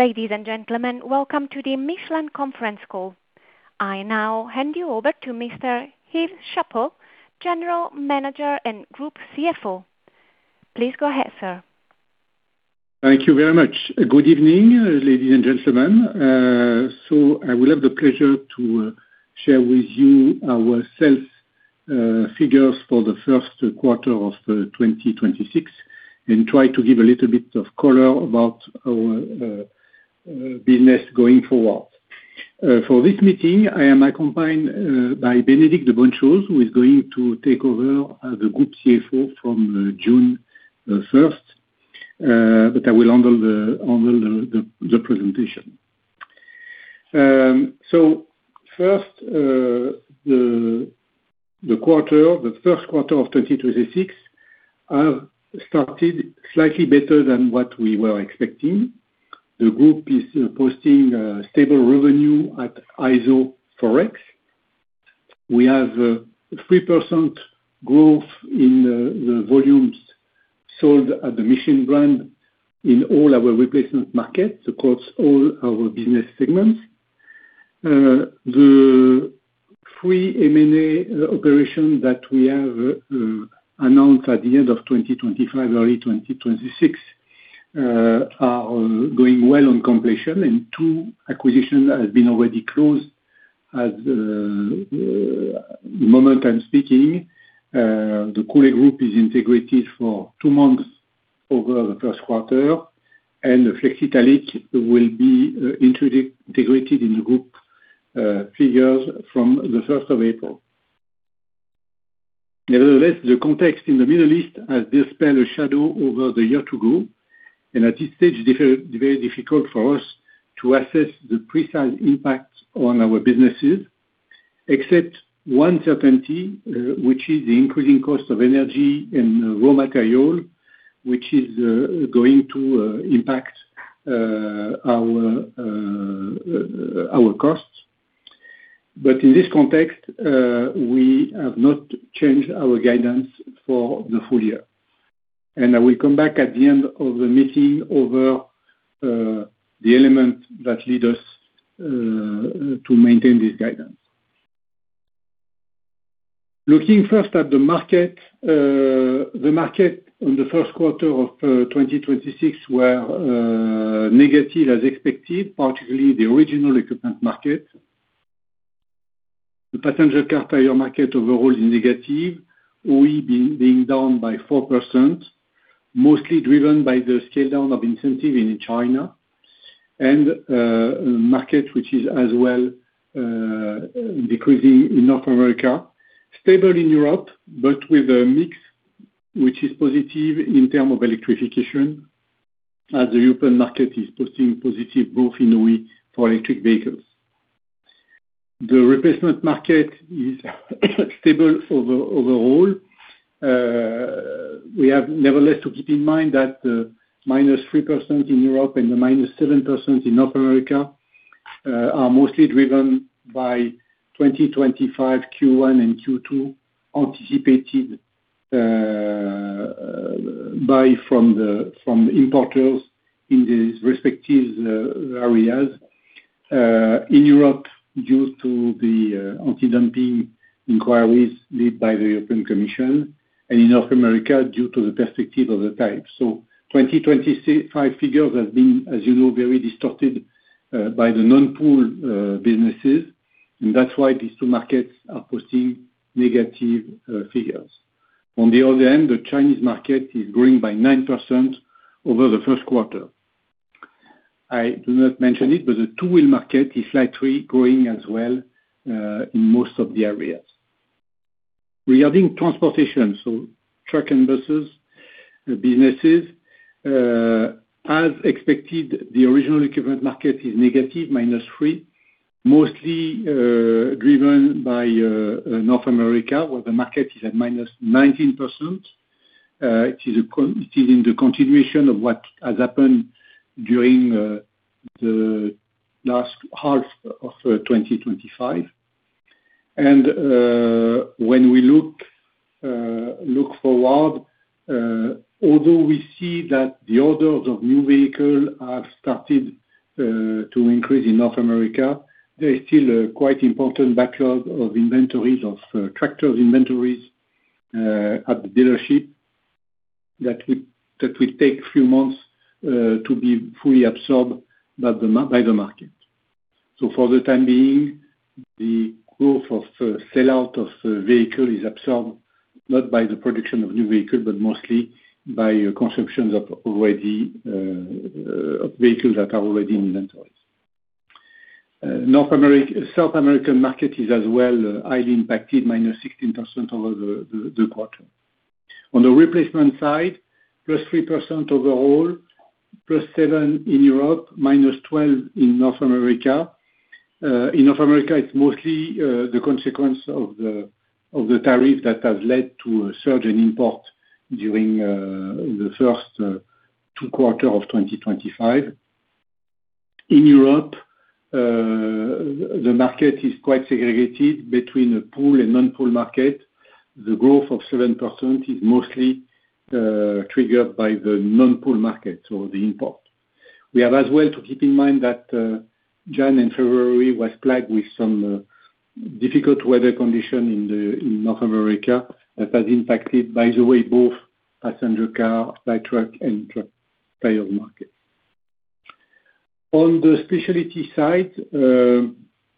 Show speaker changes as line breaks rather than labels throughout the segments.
Ladies and gentlemen, welcome to the Michelin conference call. I now hand you over to Mr. Yves Chapot, General Manager and Group CFO. Please go ahead, sir.
Thank you very much. Good evening, ladies and gentlemen. I will have the pleasure to share with you our sales figures for the first quarter of 2026, and try to give a little bit of color about our business going forward. For this meeting, I am accompanied by Bénédicte de Bonnechose, who is going to take over the Group CFO from June 1st. I will handle the presentation. First, the quarter, the first quarter of 2026 have started slightly better than what we were expecting. The group is posting stable revenue at iso-forex. We have 3% growth in the volumes sold at the Michelin brand in all our replacement markets across all our business segments. The three M&A operations that we have announced at the end of 2025, early 2026, are going well on completion and two acquisitions have been already closed. At the moment I'm speaking, the Cooley Group is integrated for two months over the first quarter, and Flexitallic will be integrated in the group figures from the 1st of April. Nevertheless, the context in the Middle East has dispelled a shadow over the year to go, and at this stage, very difficult for us to assess the precise impact on our businesses. Except one certainty, which is the increasing cost of energy and raw material, which is going to impact our costs. In this context, we have not changed our guidance for the full-year. I will come back at the end of the meeting over the elements that lead us to maintain this guidance. Looking first at the market. The market in the first quarter of 2026 were negative as expected, particularly the original equipment market. The passenger car tire market overall is negative, OE being down by 4%, mostly driven by the scale down of incentive in China and market, which is as well decreasing in North America, stable in Europe, but with a mix which is positive in terms of electrification, as the European market is posting positive growth in OE for electric vehicles. The replacement market is stable overall. We have nevertheless to keep in mind that -3% in Europe and -7% in North America are mostly driven by 2025 Q1 and Q2, anticipated by from the importers in these respective areas. In Europe, due to the antidumping inquiries led by the European Commission, and in North America, due to the perspective of the type. 2025 figures have been, as you know, very distorted by the non-pooled businesses, and that's why these two markets are posting negative figures. On the other end, the Chinese market is growing by 9% over the first quarter. I do not mention it, but the two-wheel market is slightly growing as well in most of the areas. Regarding transportation, so truck and buses, the businesses, as expected, the original equipment market is -3%, mostly driven by North America, where the market is at -19%. It is in the continuation of what has happened during the last half of 2025. When we look forward, although we see that the orders of new vehicle have started to increase in North America, there is still a quite important backlog of inventories, of tractors inventories, at the dealership that will take few months to be fully absorbed by the market. For the time being, the growth of sellout of vehicle is absorbed, not by the production of new vehicle, but mostly by consumptions of already of vehicles that are already in inventories. South American market is as well highly impacted, -16% over the quarter. On the replacement side, +3% overall, +7% in Europe, -12% in North America. In North America, it's mostly the consequence of the tariff that has led to a surge in import during the first two quarter of 2025. In Europe, the market is quite segregated between the pooled and non-pooled market. The growth of 7% is mostly triggered by the non-pooled market or the import. We have as well to keep in mind that January and February was plagued with some difficult weather condition in North America that has impacted, by the way, both passenger car, light truck, and truck tire market. On the specialty side,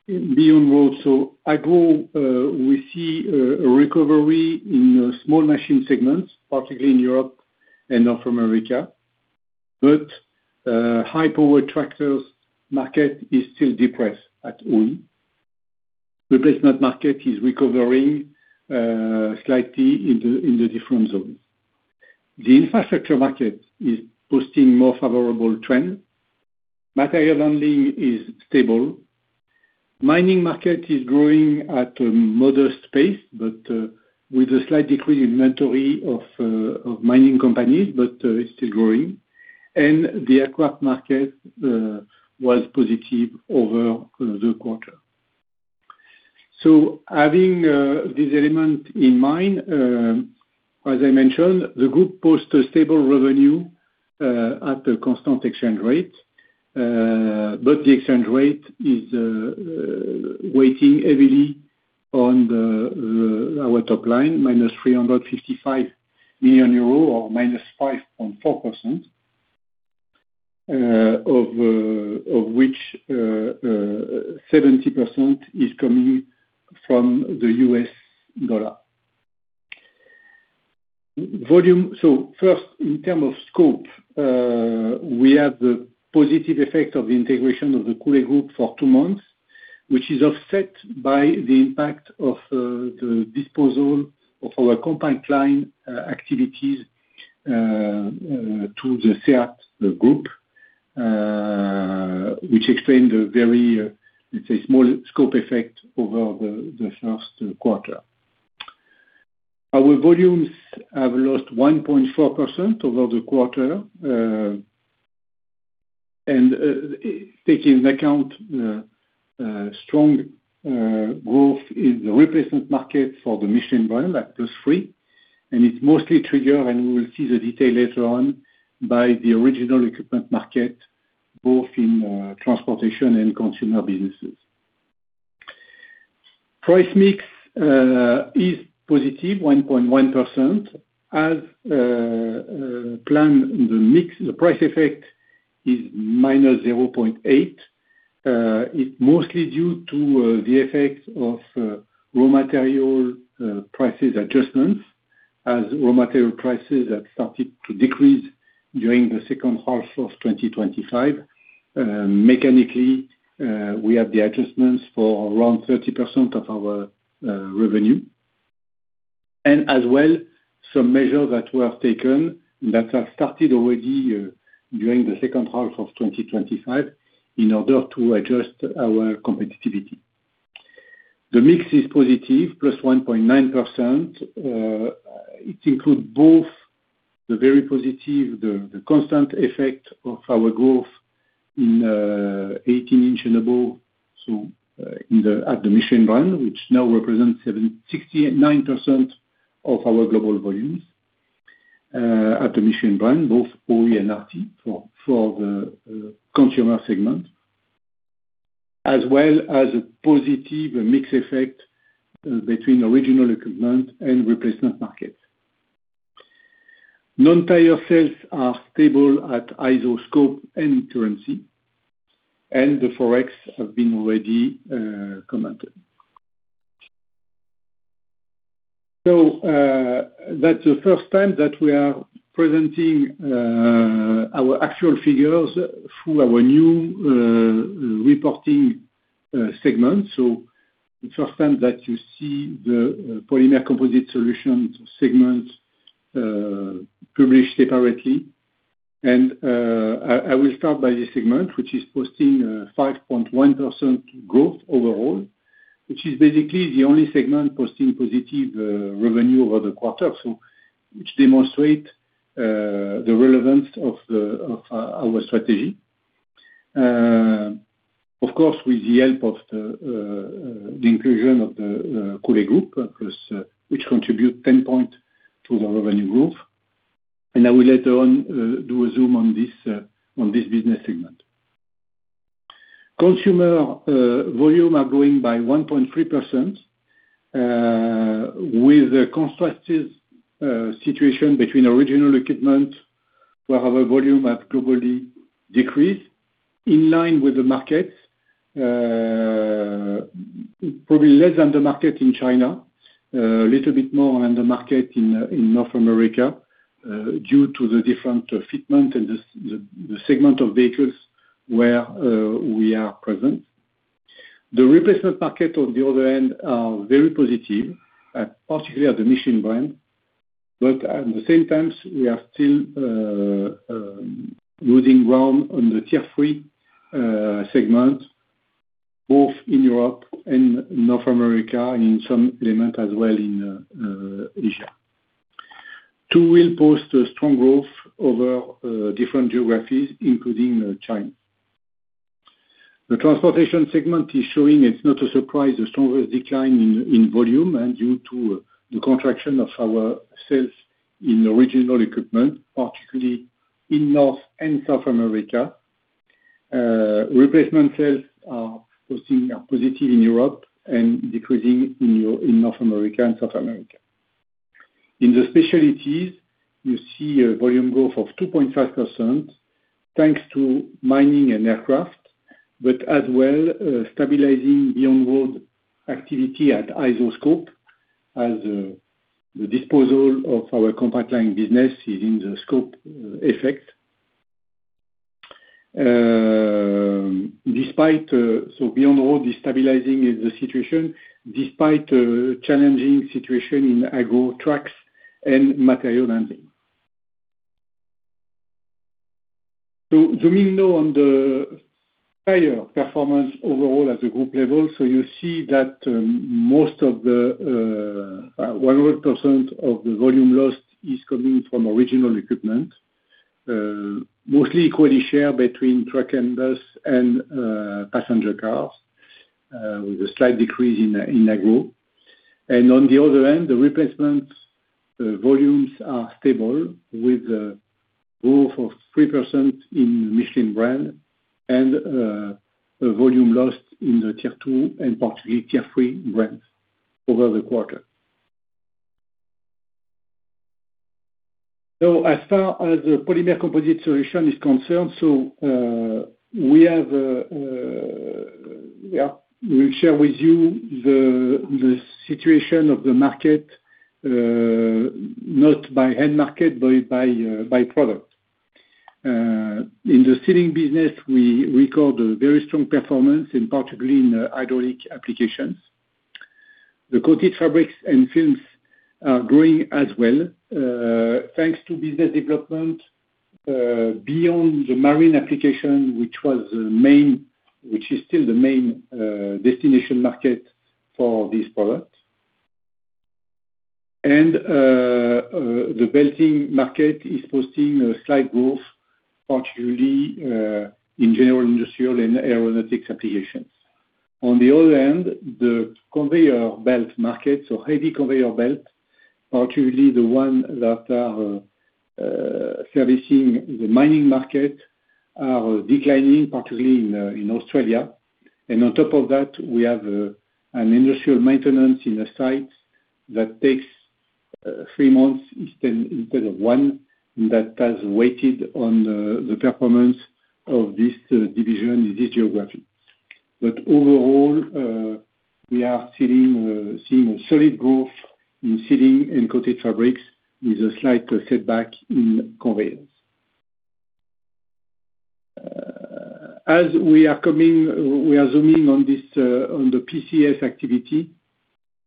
Beyond Road, so agro, we see a recovery in small machine segments, particularly in Europe and North America. High power tractors market is still depressed at own. Replacement market is recovering slightly in the different zones. The infrastructure market is posting more favorable trend. Material handling is stable. Mining market is growing at a modest pace, with a slight decrease in inventory of mining companies, but it's still growing. The aircraft market was positive over the quarter. Having this element in mind, as I mentioned, the group posts a stable revenue at a constant exchange rate. The exchange rate is weighing heavily on our top-line, EUR -355 million or -5.4%. Of which, 70% is coming from the U.S. dollar. First, in term of scope, we have the positive effect of the integration of the Cooley Group for two months, which is offset by the impact of the disposal of our compound line activities to the SIT Group, which explain the very, let's say, small scope effect over the first quarter. Our volumes have lost 1.4% over the quarter, taking into account the strong growth in the replacement market for the Michelin brand, that was 3%. It's mostly triggered, and we will see the detail later on, by the original equipment market, both in transportation and consumer businesses. Price mix is positive, 1.1%. As planned, the price effect is -0.8%. It's mostly due to the effect of raw material prices adjustments, as raw material prices have started to decrease during the second half of 2025. Mechanically, we have the adjustments for around 30% of our revenue. As well, some measures that were taken that have started already during the second half of 2025 in order to adjust our competitivity. The mix is positive, +1.9%. It includes both the very positive, the constant effect of our growth in 18-inch and above, so at the Michelin brand, which now represents 69% of our global volumes at the Michelin brand, both OE and RT for the consumer segment. As well as a positive mix effect between original equipment and replacement markets. Non-tire sales are stable at iso-scope and currency, and the Forex have been already commented. That's the first time that we are presenting our actual figures through our new reporting segment. The first time that you see the Polymer Composite Solutions segment published separately. I will start by this segment, which is posting 5.1% growth overall, which is basically the only segment posting positive revenue over the quarter. Which demonstrate the relevance of our strategy. Of course, with the help of the inclusion of the Cooley Group, of course, which contribute 10 point to the revenue growth. I will later on do a zoom on this on this business segment. Consumer volume are growing by 1.3%, with a contrasting situation between original equipment, where our volume have globally decreased in line with the markets. Probably less than the market in China, a little bit more on the market in North America, due to the different fitment and the segment of vehicles where we are present. The replacement market on the other end are very positive, particularly at the Michelin brand. At the same time, we are still losing ground on the Tier 3 segment, both in Europe and North America, and in some element as well in Asia. Tier 2 will post a strong growth over different geographies, including China. The transportation segment is showing it's not a surprise, a stronger decline in volume and due to the contraction of our sales in original equipment, particularly in North and South America. Replacement sales are hosting a positive in Europe and decreasing in North America and South America. In the specialties, you see a volume growth of 2.5% thanks to mining and aircraft, but as well, stabilizing Beyond Road activity at iso-scope as the disposal of our compound line business is in the scope effect. Despite Beyond Road stabilizing the situation, despite the challenging situation in agricultural tracks and material handling. Zooming now on the higher performance overall at the group level. You see that, 100% of the volume lost is coming from original equipment, mostly equally shared between truck and bus and passenger cars, with a slight decrease in agro. On the other hand, the replacement volumes are stable with a growth of 3% in Michelin brand and volume lost in the Tier 2 and particularly Tier 3 brands over the quarter. As far as the Polymer Composite Solutions is concerned, we share with you the situation of the market, not by end market, but by product. In the sealing business, we record a very strong performance, and particularly in the hydraulic applications. The coated fabrics and films are growing as well, thanks to business development, beyond the marine application, which is still the main destination market for this product. The belting market is posting a slight growth, particularly in general industrial and aeronautics applications. On the other hand, the conveyor belt market, so heavy conveyor belt, particularly the ones that are servicing the mining market, are declining, particularly in Australia. On top of that, we have an industrial maintenance in the sites that takes three months instead of one, and that has waited on the performance of this division in this geography. Overall, we are seeing a solid growth in sealing and coated fabrics with a slight setback in conveyors. As we are zooming on this on the PCS activity,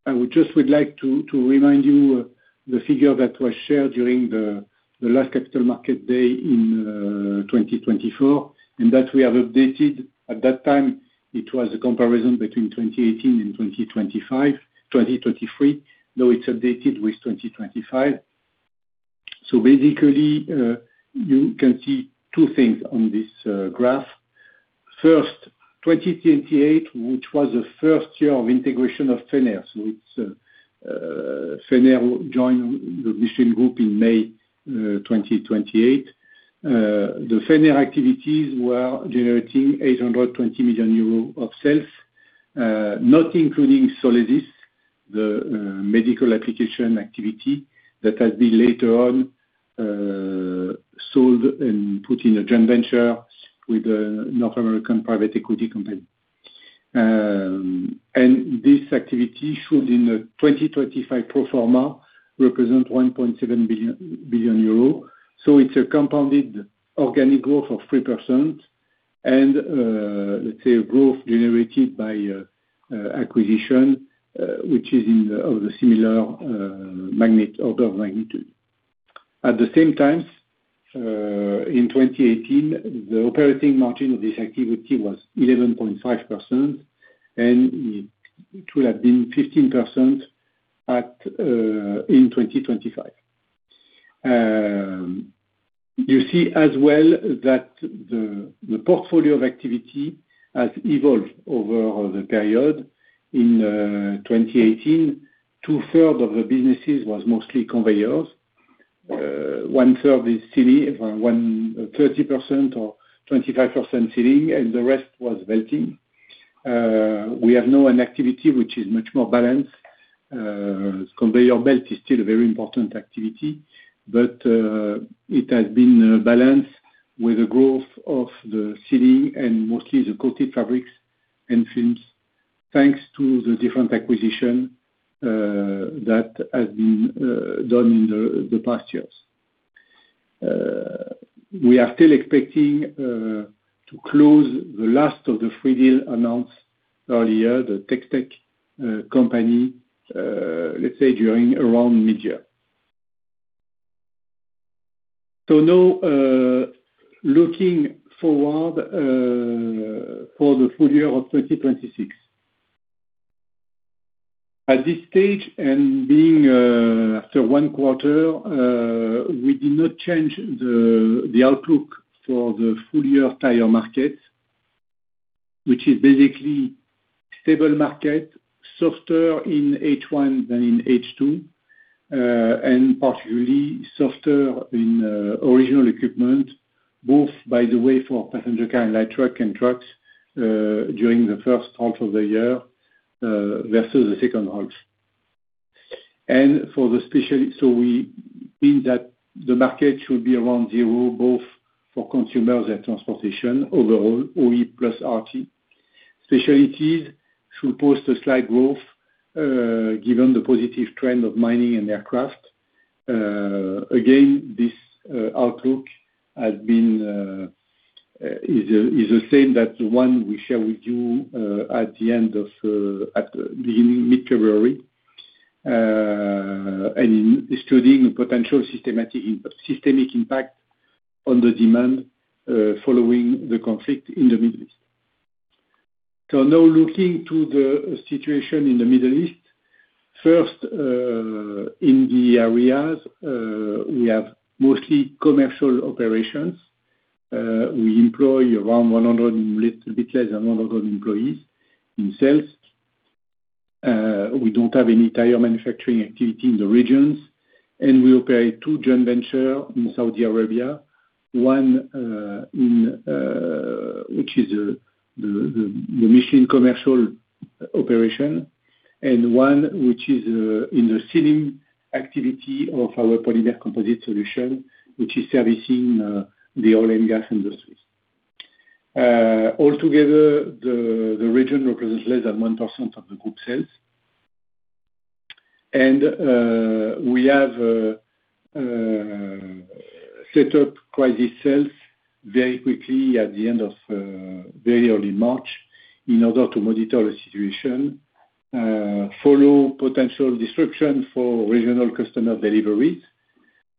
I would just like to remind you the figure that was shared during the last Capital Market Day in 2024, and that we have updated. At that time, it was a comparison between 2018 and 2025. 2023, now it's updated with 2025. Basically, you can see two things on this graph. First, 2018, which was the first year of integration of Fenner. It's, Fenner joined the Michelin group in May, 2018. The Fenner activities were generating 820 million euros of sales, not including Solesis, the medical application activity that has been later on sold and put in a joint venture with a North American private equity company. This activity should, in the 2025 pro forma, represent 1.7 billion euros. It's a compounded organic growth of 3% and, let's say, a growth generated by acquisition, which is of a similar order of magnitude. At the same time, in 2018, the operating margin of this activity was 11.5%, and it would have been 15% in 2025. You see as well that the portfolio of activity has evolved over the period. In 2018, two-third of the businesses was mostly conveyors. 1/3 is sealing, 30% or 25% sealing, and the rest was belting. We have now an activity which is much more balanced. Conveyor belt is still a very important activity, but it has been balanced with the growth of the sealing and mostly the coated fabrics and films, thanks to the different acquisition that has been done in the past years. We are still expecting to close the last of the three deal announced earlier, the Tex Tech company, let's say during around mid-year. Now, looking forward for the full-year of 2026. At this stage, and being after one quarter, we did not change the outlook for the full-year tire market, which is basically stable market, softer in H1 than in H2. And particularly softer in original equipment, both by the way for passenger car and light truck and trucks during the first half of the year versus the second half. For the Specialties, we feel that the market should be around zero, both for consumers and transportation overall, OE plus RT. Specialties should post a slight growth given the positive trend of mining and aircraft. Again, this outlook is the same that the one we share with you at the end of at the mid-February. Studying potential systemic impact on the demand following the conflict in the Middle East. Now looking to the situation in the Middle East. First, in the areas, we have mostly commercial operations. We employ around a bit less than 100 employees in sales. We don't have any tire manufacturing activity in the regions, and we operate two joint venture in Saudi Arabia, one in which is the Michelin commercial operation and one which is in the sealing activity of our Polymer Composite Solutions, which is servicing the oil and gas industries. Altogether, the region represents less than 1% of the group sales. We have set up crisis cells very quickly at the end of very early March in order to monitor the situation, follow potential disruption for regional customer deliveries,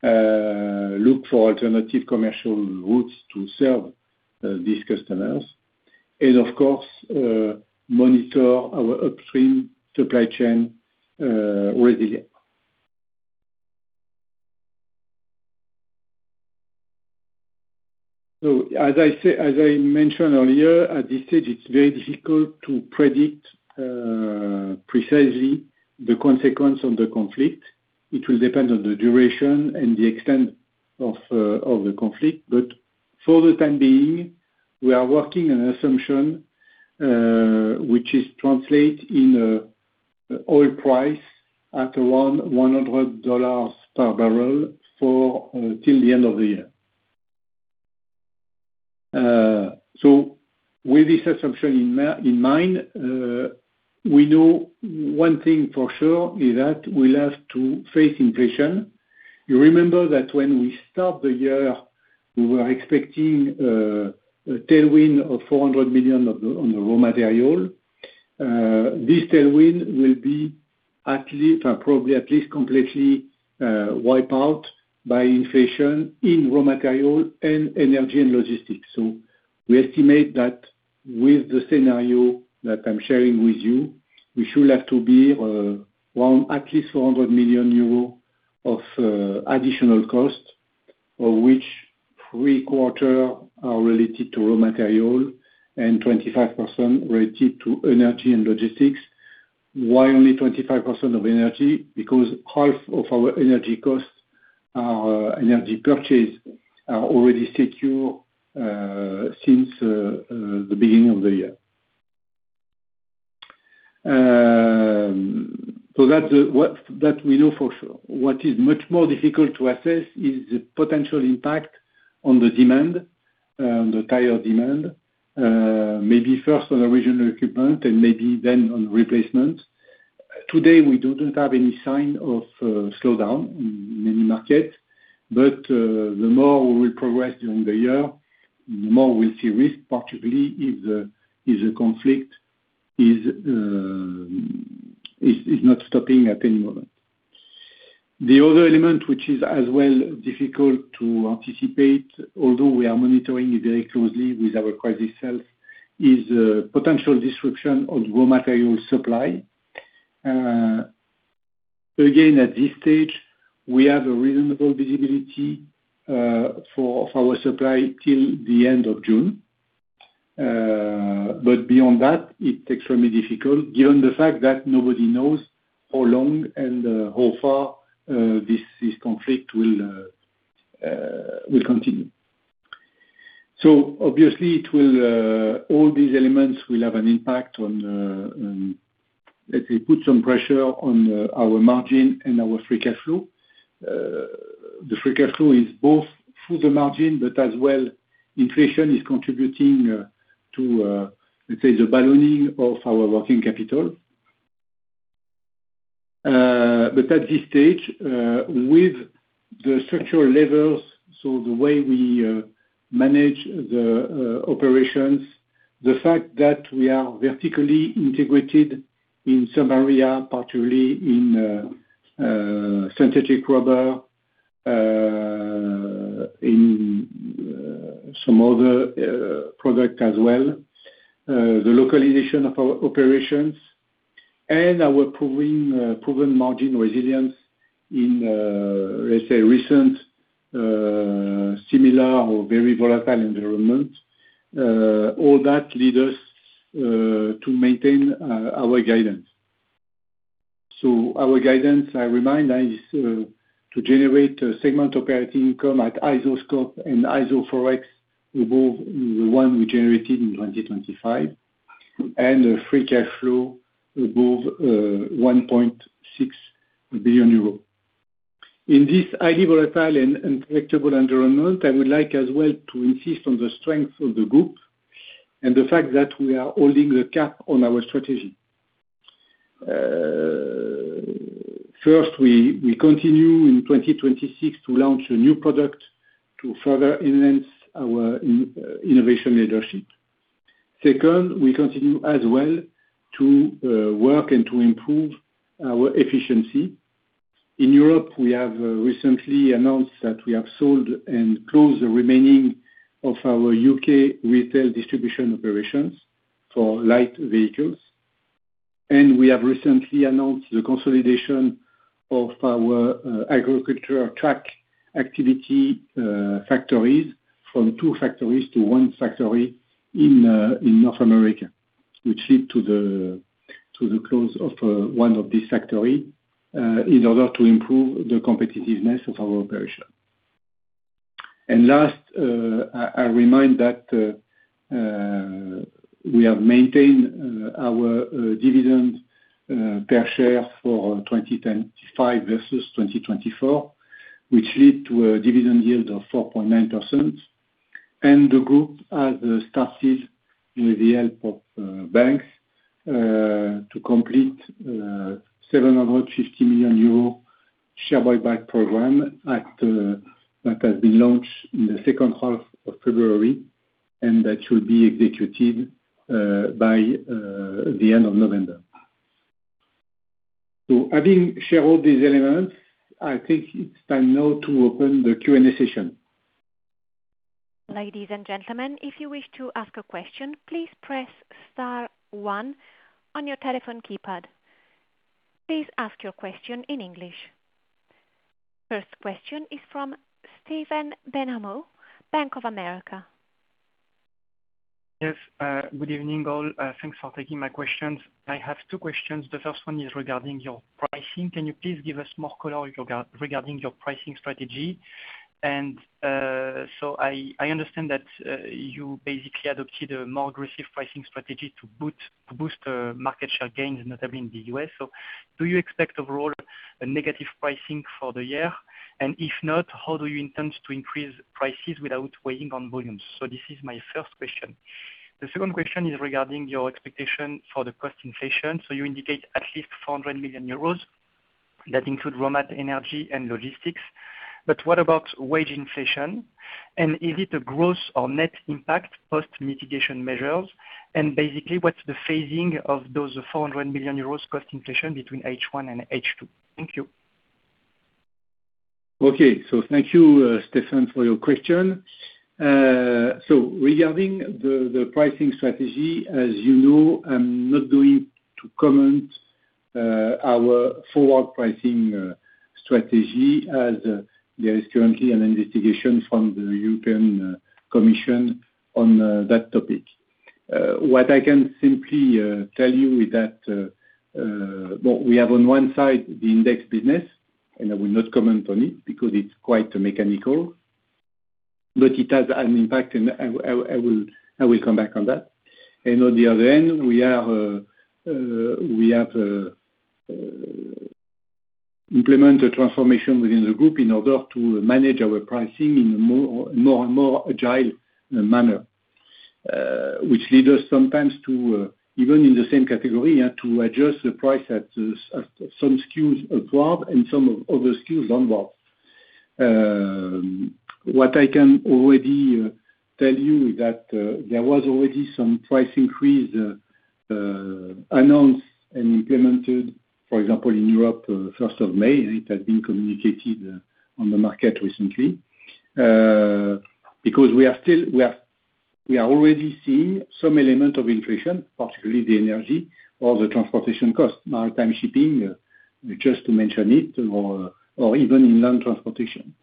look for alternative commercial routes to serve these customers and of course, monitor our upstream supply chain resilience. As I mentioned earlier, at this stage, it is very difficult to predict precisely the consequence of the conflict. It will depend on the duration and the extent of the conflict. For the time being, we are working an assumption which is translate in oil price at around $100 per bbl till the end of the year. So with this assumption in mind, we know one thing for sure is that we'll have to face inflation. You remember that when we start the year, we were expecting a tailwind of 400 million on the raw material. This tailwind will be at least, or probably at least completely, wiped out by inflation in raw material and energy and logistics. We estimate that with the scenario that I'm sharing with you, we should have to be around at least 400 million euros of additional costs, of which three quarter are related to raw material and 25% related to energy and logistics. Why only 25% of energy? Because half of our energy costs are energy purchase are already secure since the beginning of the year. That's what we know for sure. What is much more difficult to assess is the potential impact on the demand, on the tire demand. Maybe first on the original equipment and maybe then on replacement. Today, we don't have any sign of slowdown in any market. The more we will progress during the year, the more we'll see risk, particularly if the, if the conflict is not stopping at any moment. The other element, which is as well difficult to anticipate, although we are monitoring it very closely with our crisis cells, is potential disruption of raw material supply. Again, at this stage, we have a reasonable visibility for our supply till the end of June. Beyond that, it's extremely difficult given the fact that nobody knows how long and how far this conflict will continue. Obviously, it will, all these elements will have an impact on, let me put some pressure on our margin and our free cash flow. The free cash flow is both through the margin, but as well, inflation is contributing to, let's say, the ballooning of our working capital. At this stage, with the structural levels, so the way we manage the operations, the fact that we are vertically integrated in some area, particularly in synthetic rubber, In some other product as well. The localization of our operations and our proving, proven margin resilience in, let's say recent, similar or very volatile environment. All that lead us to maintain our guidance. Our guidance, I remind, is to generate a segment operating income at iso-scope and iso-forex above the one we generated in 2025, and a free cash flow above 1.6 billion euro. In this highly volatile and predictable environment, I would like as well to insist on the strength of the group and the fact that we are holding the cap on our strategy. First, we continue in 2026 to launch a new product to further enhance our innovation leadership. Second, we continue as well to work and to improve our efficiency. In Europe, we have recently announced that we have sold and closed the remaining of our U.K. retail distribution operations for light vehicles. We have recently announced the consolidation of our agricultural track activity factories from two factories to one factory in North America, which lead to the close of one of this factory in order to improve the competitiveness of our operation. Last, I remind that we have maintained our dividend per share for 2025 versus 2024, which lead to a dividend yield of 4.9%. The group has started, with the help of banks, to complete a 750 million euro share buyback program that has been launched in the second half of February, and that should be executed by the end of November. Having shared all these elements, I think it's time now to open the Q&A session.
Ladies and gentlemen, if you wish to ask a question, please press star one on your telephone keypad. Please ask your question in English. First question is from Stephen Benhamou, Bank of America.
Yes. Good evening all. Thanks for taking my questions. I have two questions. The first one is regarding your pricing. Can you please give us more color regarding your pricing strategy? I understand that you basically adopted a more aggressive pricing strategy to boost market share gains, and notably in the U.S. Do you expect overall a negative pricing for the year? If not, how do you intend to increase prices without weighing on volumes? This is my first question. The second question is regarding your expectation for the cost inflation. You indicate at least 400 million euros that include raw mat, energy, and logistics. What about wage inflation? Is it a gross or net impact post mitigation measures? Basically, what's the phasing of those 400 million euros cost inflation between H1 and H2? Thank you.
Okay. Thank you, Stephen, for your question. Regarding the pricing strategy, as you know, I'm not going to comment our forward pricing strategy as there is currently an investigation from the European Commission on that topic. What I can simply tell you is that we have on one side the index business, and I will not comment on it because it's quite mechanical, but it has an impact. I will come back on that. On the other end, we have implement a transformation within the group in order to manage our pricing in a more and more agile manner. Which lead us sometimes to, even in the same category, to adjust the price at some SKUs upward and some of other SKUs downward. What I can already tell you is that there was already some price increase announced and implemented, for example, in Europe, 1st of May. It has been communicated on the market recently. Because we are already seeing some element of inflation, particularly the energy or the transportation cost, maritime shipping, just to mention it, or even in land transportation.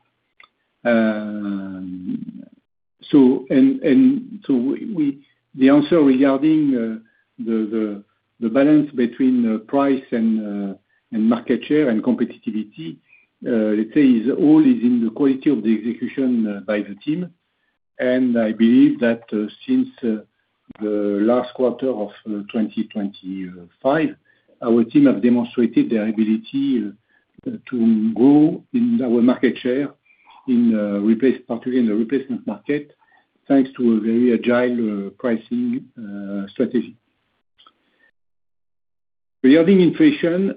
The answer regarding the balance between price and market share and competitivity, let's say, is all is in the quality of the execution by the team. I believe that since the last quarter of 2025, our team have demonstrated their ability to grow in our market share in, particularly in the replacement market, thanks to a very agile pricing, strategy. Regarding inflation,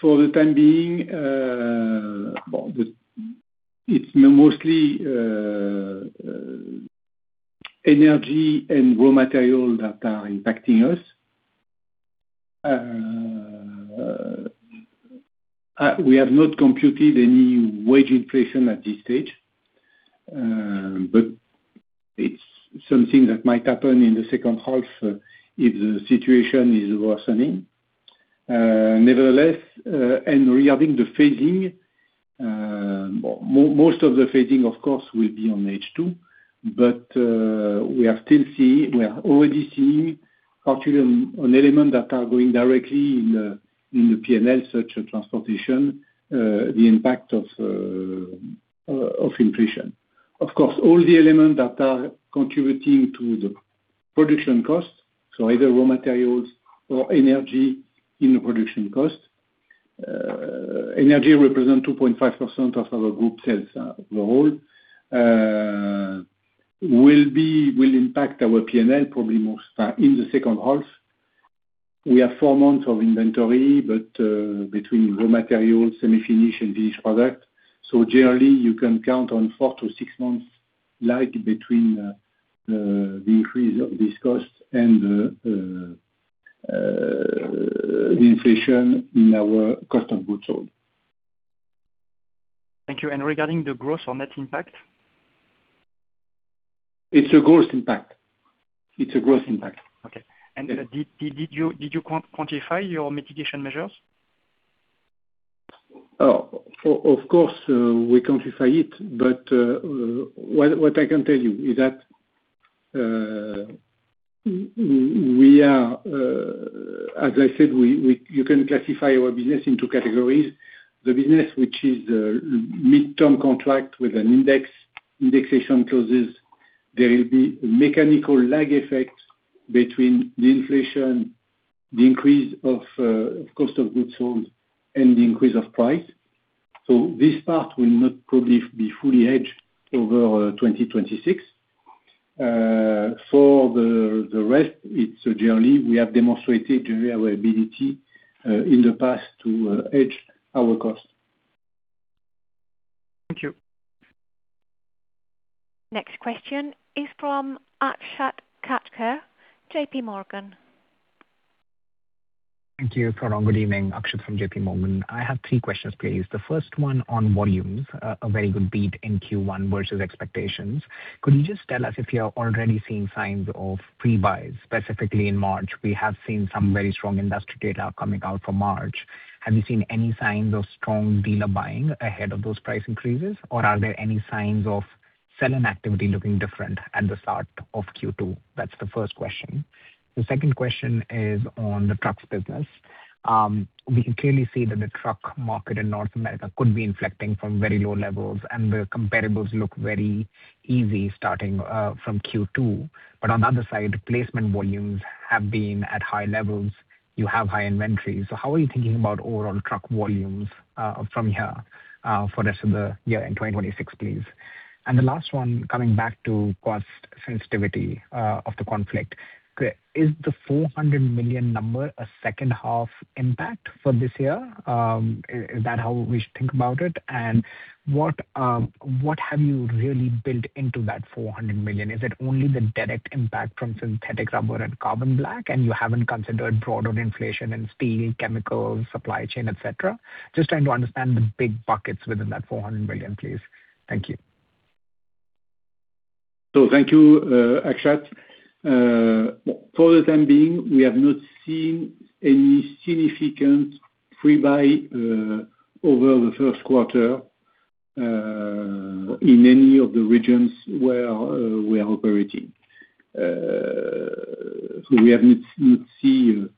for the time being, it's mostly energy and raw material that are impacting us. We have not computed any wage inflation at this stage. It's something that might happen in second half, if the situation is worsening. Nevertheless, regarding the phasing, most of the phasing, of course, will be on H2. We are already seeing particularly on element that are going directly in the P&L, such as transportation, the impact of inflation. Of course, all the elements that are contributing to the production costs, so either raw materials or energy in the production costs. Energy represent 2.5% of our group sales overall. will impact our P&L probably most in the second half. We have four months of inventory, but between raw materials, semi-finished and finished product. Generally, you can count on four-six months lag between the increase of these costs and the inflation in our cost of goods sold.
Thank you. Regarding the gross or net impact?
It's a gross impact. It's a gross impact.
Okay. Did you quantify your mitigation measures?
Of course, we quantify it. What I can tell you is that we are As I said, you can classify our business in two categories. The business which is midterm contract with an index, indexation clauses. There will be mechanical lag effects between the inflation, the increase of cost of goods sold and the increase of price. This part will not probably be fully hedged over 2026. For the rest, it's generally we have demonstrated our ability in the past to hedge our cost.
Thank you.
Next question is from Akshat Kacker, JPMorgan.
Thank you. Good evening. Akshat from JPMorgan. I have three questions, please. The first one on volumes. A very good beat in Q1 versus expectations. Could you just tell us if you are already seeing signs of pre-buys, specifically in March? We have seen some very strong industry data coming out for March. Have you seen any signs of strong dealer buying ahead of those price increases? Are there any signs of selling activity looking different at the start of Q2? That's the first question. The second question is on the trucks business. We can clearly see that the truck market in North America could be inflecting from very low levels, and the comparable look very easy starting from Q2. On the other side, placement volumes have been at high levels. You have high inventories. How are you thinking about overall truck volumes from here for rest of the year in 2026, please? The last one, coming back to cost sensitivity of the conflict. Is the 400 million number a second half impact for this year? Is that how we should think about it? What have you really built into that 400 million? Is it only the direct impact from synthetic rubber and carbon black, and you haven't considered broader inflation in steel, chemicals, supply chain, et cetera? Just trying to understand the big buckets within that 400 million, please. Thank you.
Thank you, Akshat. For the time being, we have not seen any significant pre-buy over the first quarter in any of the regions where we are operating. We have not seen,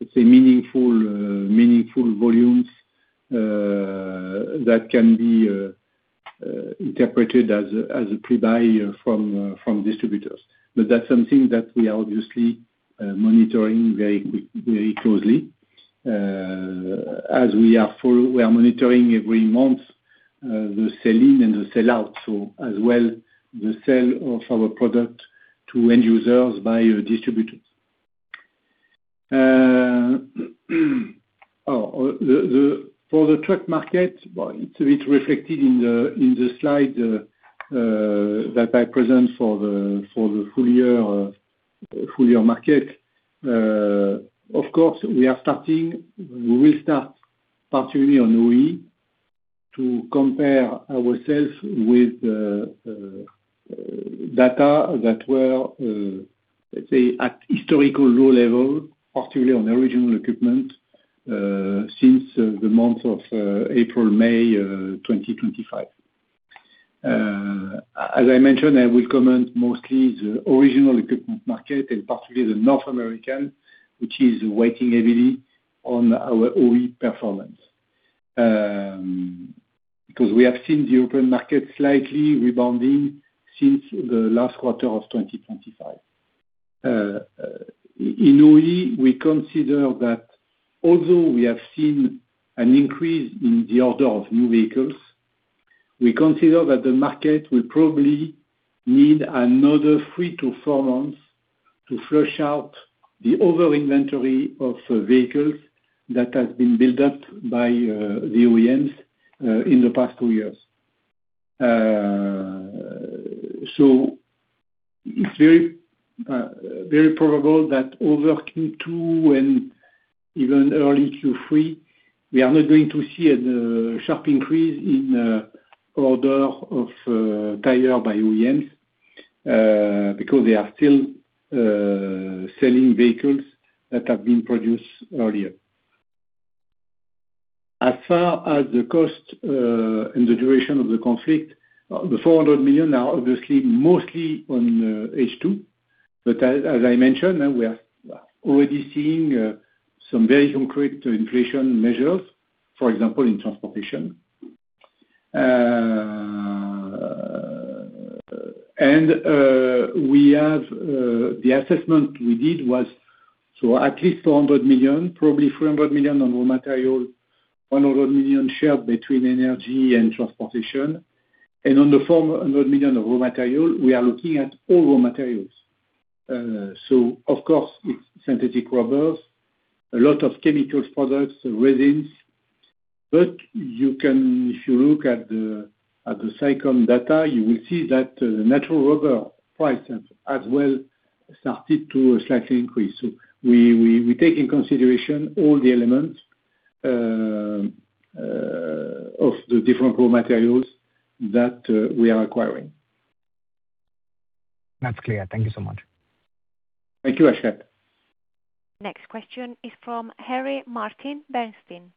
let's say, meaningful volumes that can be interpreted as a pre-buy from distributors. That's something that we are obviously monitoring very closely as we are monitoring every month the sell-in and the sell-out, so as well as the sell of our product to end users by distributors. For the truck market, well, it's a bit reflected in the slide that I present for the full year, full year market. Of course, we will start particularly on OE to compare ourselves with data that were, let's say, at historical low level, particularly on original equipment, since the month of April, May, 2025. As I mentioned, I will comment mostly the original equipment market and particularly the North American, which is weighting heavily on our OE performance. Because we have seen the open market slightly rebounding since the last quarter of 2025. In OE, we consider that although we have seen an increase in the order of new vehicles, we consider that the market will probably need another three to four months to flush out the over inventory of vehicles that has been built up by the OEMs in the past two years. It's very, very probable that over Q2 and even early Q3, we are not going to see a sharp increase in order of tire by OEMs because they are still selling vehicles that have been produced earlier. As far as the cost and the duration of the conflict, the 400 million are obviously mostly on H2. As I mentioned, we are already seeing some very concrete inflation measures, for example, in transportation. The assessment we did was so at least 400 million, probably 300 million on raw material, 100 million shared between energy and transportation. On the 400 million of raw material, we are looking at all raw materials. So of course, it's synthetic rubbers, a lot of chemical products, resins. If you look at the cycle data, you will see that the natural rubber prices as well started to slightly increase. We take in consideration all the elements of the different raw materials that we are acquiring.
That's clear. Thank you so much.
Thank you, Akshat.
Next question is from Harry Martin, Bernstein.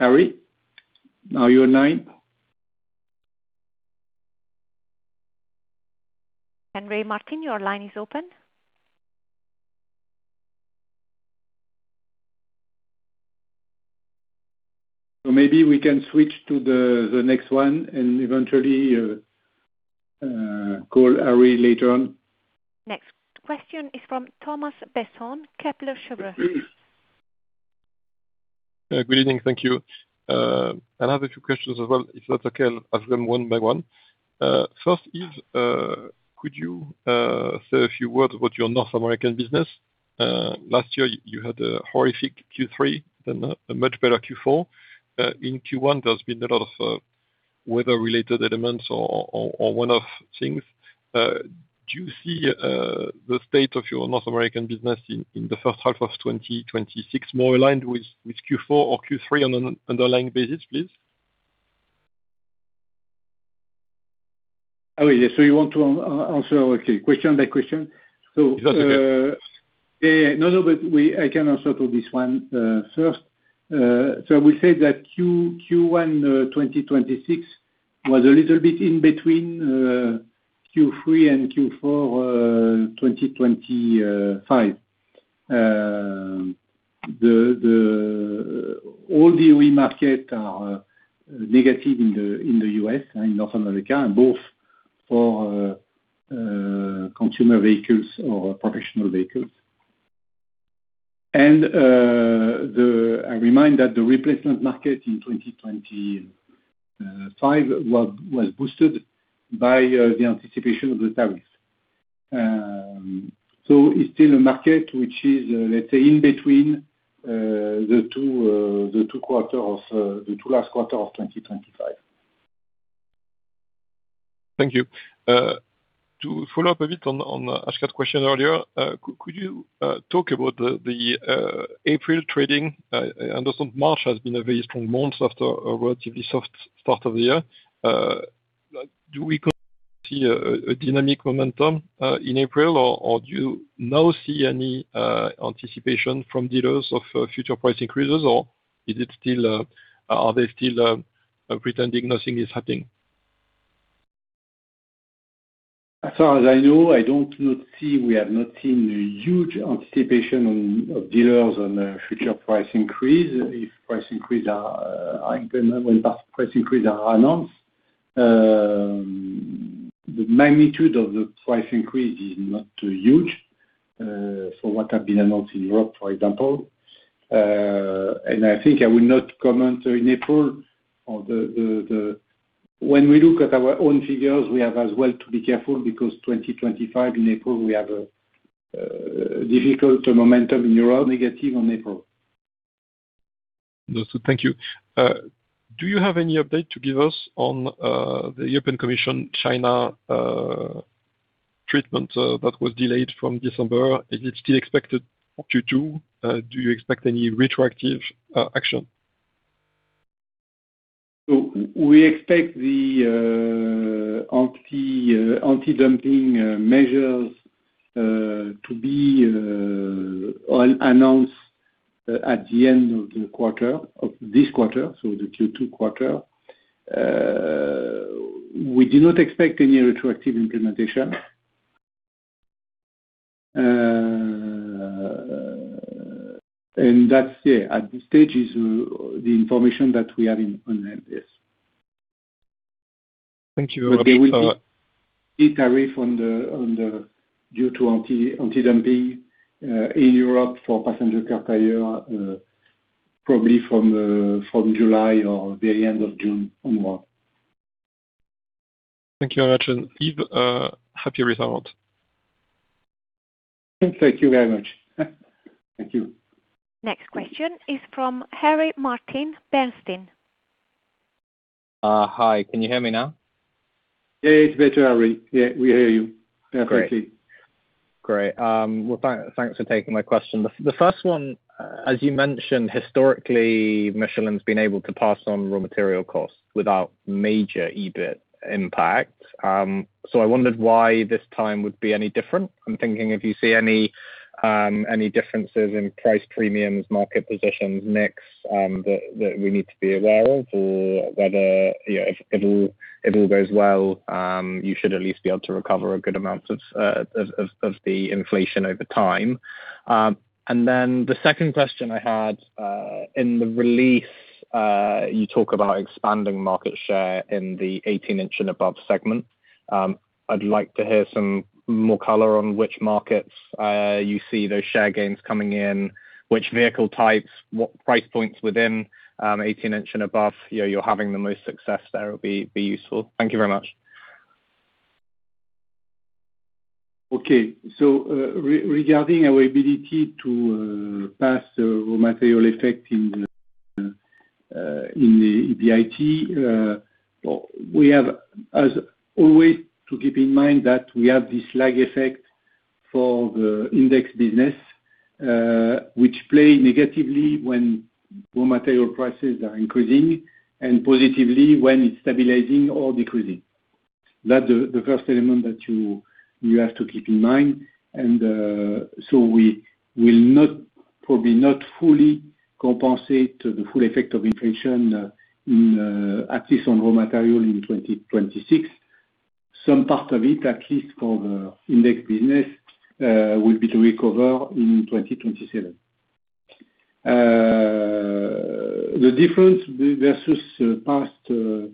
Harry, now your line.
Harry Martin, your line is open.
Maybe we can switch to the next one and eventually, call Harry later on.
Next question is from Thomas Besson, Kepler Cheuvreux.
Good evening. Thank you. I have a few questions as well, if that's okay. I'll ask them one by one. First is, could you say a few words about your North American business? Last year, you had a horrific Q3, then a much better Q4. In Q1, there's been a lot of weather-related elements or one-off things. Do you see the state of your North American business in the first half of 2026 more aligned with Q4 or Q3 on an underlying basis, please?
Oh, yeah. You want to answer, okay, question by question.
That's okay.
Yeah. No, no, but I can answer to this one first. I will say that Q1 2026 was a little bit in between Q3 and Q4 2025. All the OE market are negative in the U.S. and North America, both for consumer vehicles or professional vehicles. I remind that the replacement market in 2025 was boosted by the anticipation of the tariff. It's still a market which is, let's say, in between the two, the two quarter of the two last quarter of 2025.
Thank you. To follow-up a bit on Akshat's question earlier, could you talk about April trading? I understand March has been a very strong month after a relatively soft start of the year. Like, do we continue to see dynamic momentum in April? Or do you now see any anticipation from dealers of future price increases? Or are they still pretending nothing is happening?
As far as I know, we have not seen a huge anticipation of dealers on a future price increase. When price increase are announced, the magnitude of the price increase is not too huge for what have been announced in Europe, for example. I think I will not comment in April. When we look at our own figures, we have as well to be careful because 2025 in April, we have a difficult momentum in Europe, negative on April.
No. Thank you. Do you have any update to give us on the European Commission China treatment that was delayed from December? Is it still expected Q2? Do you expect any retroactive action?
We expect the antidumping measures to be all announced at the end of the quarter, of this quarter, so the Q2 quarter. We do not expect any retroactive implementation. That's, yeah, at this stage is the information that we have on hand. Yes.
Thank you.
There will be tariff on the antidumping in Europe for passenger car tire probably from July or the end of June onward.
Thank you very much. Yves, happy result.
Thank you very much. Thank you.
Next question is from Harry Martin, Bernstein.
Hi, can you hear me now?
Yeah, it's better, Harry. Yeah, we hear you.
Great.
Yeah, thank you.
Great. Well, thanks for taking my question. The first one, as you mentioned, historically, Michelin's been able to pass on raw material costs without major EBIT impact. I wondered why this time would be any different. I'm thinking if you see any differences in price premiums, market positions, mix, that we need to be aware of or whether, you know, if it all goes well, you should at least be able to recover a good amount of the inflation over time. The second question I had in the release, you talk about expanding market share in the 18-inch and above segment. I'd like to hear some more color on which markets, you see those share gains coming in, which vehicle types, what price points within, 18-inch and above, you know, you're having the most success there will be useful. Thank you very much.
Okay. Regarding our ability to pass the raw material effect in the EBIT, we have as always to keep in mind that we have this lag effect for the index business, which play negatively when raw material prices are increasing and positively when it's stabilizing or decreasing. That's the first element that you have to keep in mind and, so we will probably not fully compensate the full effect of inflation, at least on raw material in 2026. Some part of it, at least for the index business, will be to recover in 2027. The difference versus past, if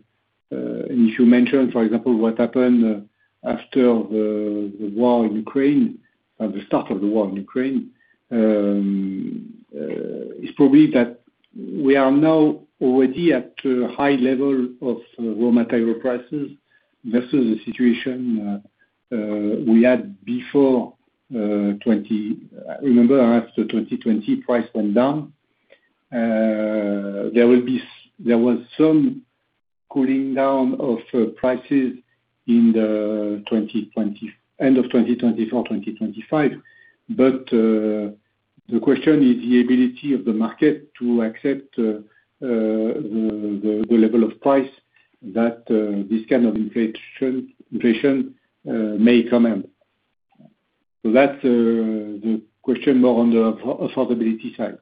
you mentioned, for example, what happened after the war in Ukraine, at the start of the war in Ukraine, is probably that we are now already at a high level of raw material prices versus the situation we had before 2020. Remember after 2020 price went down. There was some cooling down of prices in the end of 2024, 2025. The question is the ability of the market to accept the level of price that this kind of inflation may come in. That's the question more on the affordability side.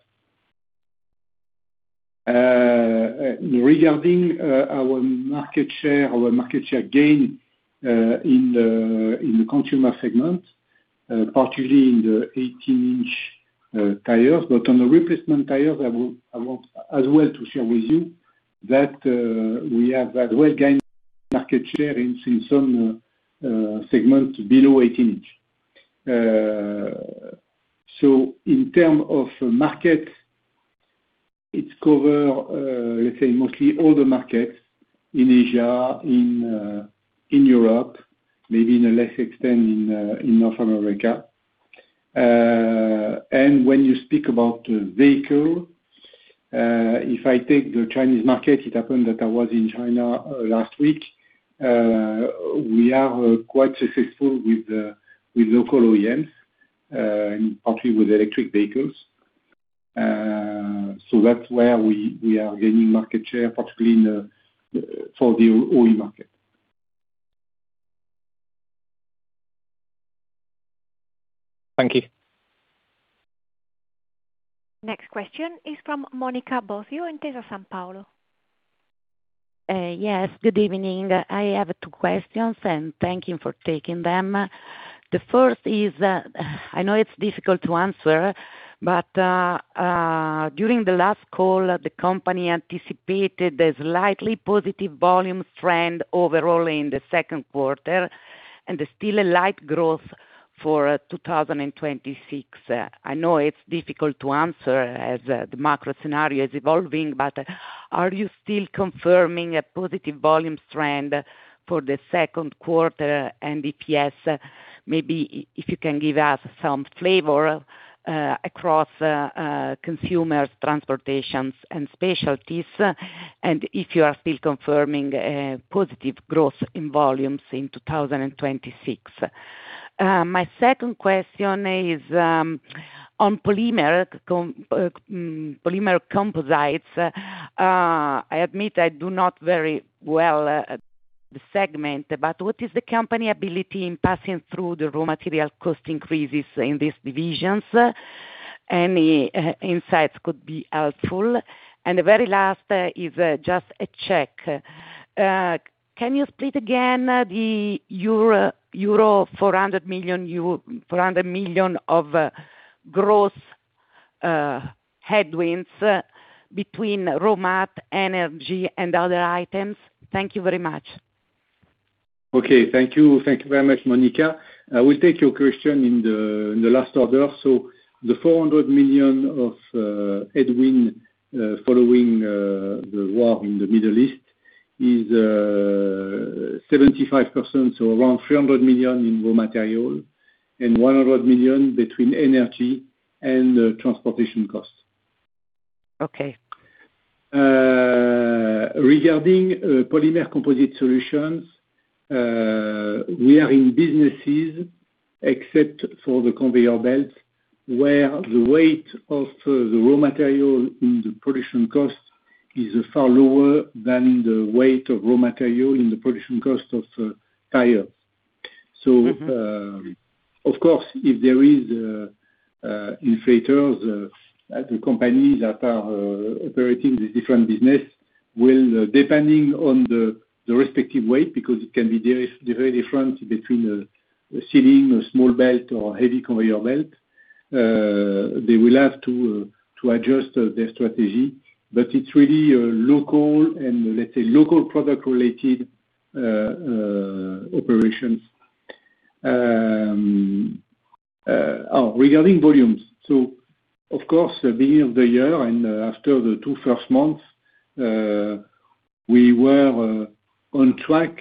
Regarding our market share gain in the consumer segment, particularly in the 18-inch tires. On the replacement tires, I want as well to share with you that we have as well gained market share in some segment below 18-inch. In terms of market, it covers, let's say, mostly all the markets in Asia, in Europe, maybe in a less extent in North America. When you speak about the vehicle, if I take the Chinese market, it happened that I was in China last week. We are quite successful with local OEMs and partly with electric vehicles. That's where we are gaining market share, particularly for the OE market.
Thank you.
Next question is from Monica Bosio, Intesa Sanpaolo.
Yes, good evening. I have two questions and thank you for taking them. The first is, I know it's difficult to answer, but during the last call, the company anticipated a slightly positive volume trend overall in the second quarter and there's still a light growth for 2026. I know it's difficult to answer as the macro scenario is evolving, but are you still confirming a positive volume trend for the second quarter and BPS? Maybe if you can give us some flavor across consumers, transportations and specialties, and if you are still confirming positive growth in volumes in 2026. My second question is on Polymer Composite Solutions. I admit I do not very well the segment, but what is the company ability in passing through the raw material cost increases in these divisions? Any insights could be helpful. The very last is just a check. Can you split again the euro 400 million of gross headwinds between raw mat, energy and other items? Thank you very much.
Okay. Thank you. Thank you very much, Monica. I will take your question in the last order. The 400 million of headwind following the war in the Middle East is 75%, so around 300 million in raw material and 100 million between energy and transportation costs.
Okay.
Regarding Polymer Composite Solutions, we are in businesses except for the conveyor belt, where the weight of the raw material in the production cost is far lower than the weight of raw material in the production cost of tire. Of course, if there is inflation at the companies that are operating the different business will, depending on the respective weight, because it can be very different between a sealing, a small belt or heavy conveyor belt. They will have to adjust their strategy, but it's really a local and let's say local product related operations. Regarding volumes. Of course, the beginning of the year and after the two first months, we were on track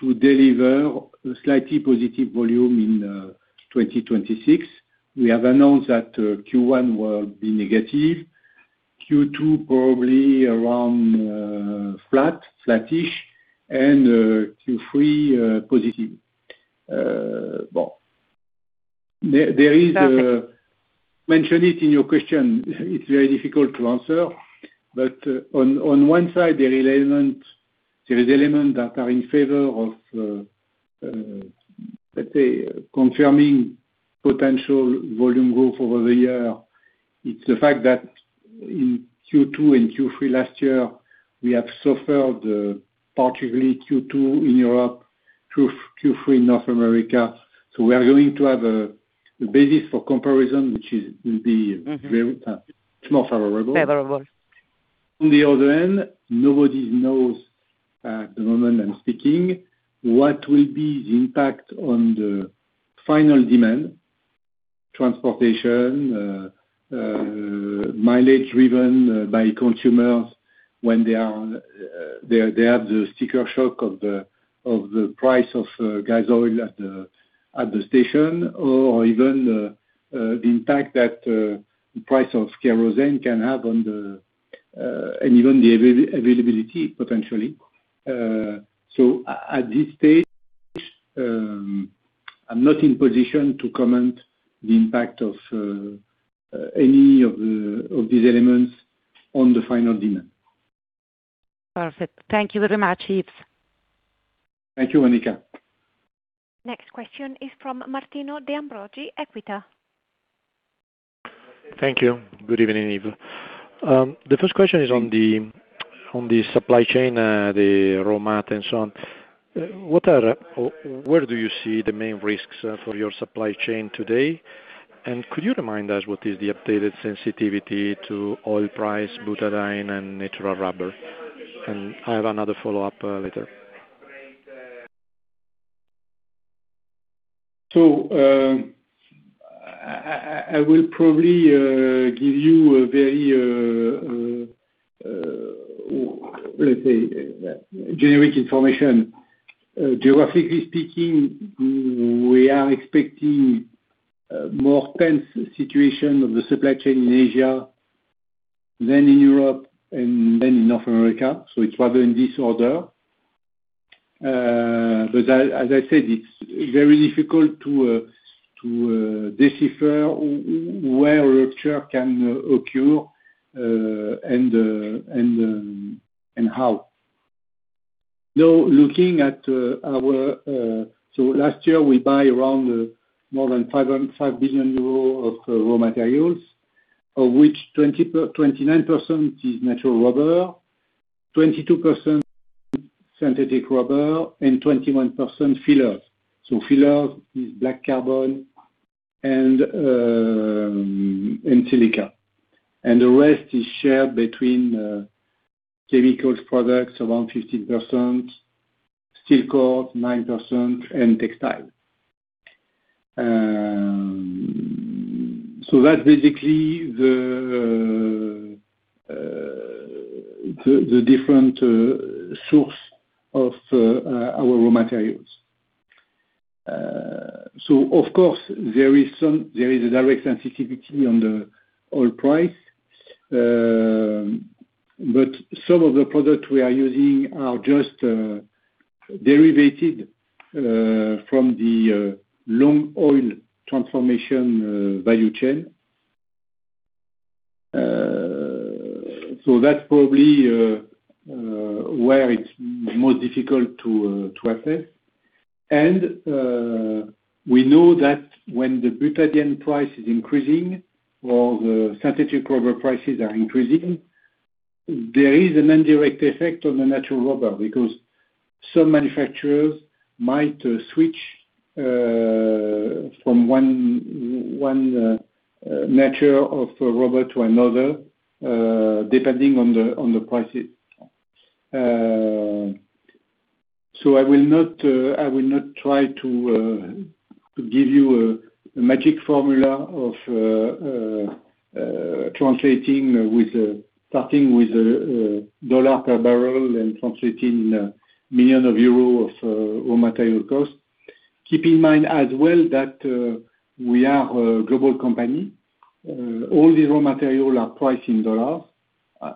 to deliver a slightly positive volume in 2026. We have announced that Q1 will be negative, Q2 probably around flattish, and Q3 positive. Well, there is.
Okay.
Mention it in your question, it's very difficult to answer. On one side, there is element that are in favor of, let's say, confirming potential volume growth over the year. It's the fact that in Q2 and Q3 last year, we have suffered, particularly Q2 in Europe, Q3 in North America. We are going to have a basis for comparison, which will be very, it's more favorable.
Favorable.
On the other end, nobody knows at the moment I'm speaking, what will be the impact on the final demand, transportation, mileage driven by consumers when they have the sticker shock of the price of gas oil at the station or even the impact that the price of kerosene can have on the and even the availability, potentially. At this stage, I'm not in position to comment the impact of any of these elements on the final demand.
Perfect. Thank you very much, Yves.
Thank you, Monica.
Next question is from Martino De Ambroggi, Equita.
Thank you. Good evening, Yves. The first question is on the supply chain, the raw mat and so on. What are or where do you see the main risks for your supply chain today? Could you remind us what is the updated sensitivity to oil price, butadiene and natural rubber? I have another follow-up later.
I will probably give you a very generic information. Geographically speaking, we are expecting more tense situation of the supply chain in Asia than in Europe and than in North America. It's rather in this order. As I said, it's very difficult to decipher where rupture can occur and how. Looking at our. Last year we buy around more than 5.5 billion euros of raw materials, of which 29% is natural rubber, 22% synthetic rubber, and 21% fillers. Fillers is black carbon and silica. The rest is shared between chemical products, around 15%, steel cords 9%, and textile. That's basically the different source of our raw materials. Of course, there is a direct sensitivity on the oil price. Some of the products we are using are just derivated from the long oil transformation value chain. That's probably where it's most difficult to assess. We know that when the butadiene price is increasing or the synthetic rubber prices are increasing, there is an indirect effect on the natural rubber because some manufacturers might switch from one nature of rubber to another depending on the prices. I will not, I will not try to give you a magic formula of translating with starting with a $1 per bbl and translating in 1 million euros of raw material cost. Keep in mind as well that we are a global company. All the raw material are priced in dollars,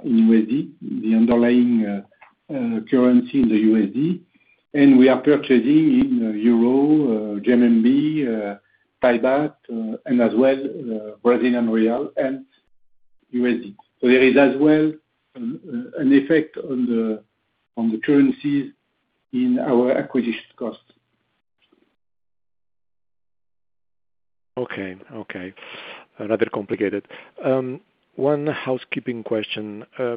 in USD, the underlying currency in the USD. We are purchasing in euro, RMB, Thai baht, and as well Brazilian real and USD. There is as well an effect on the currencies in our acquisition cost.
Okay. Okay. A little complicated. One housekeeping question. I